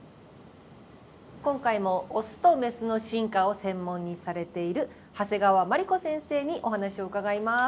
今回もオスとメスの進化を専門にされている長谷川眞理子先生にお話を伺います。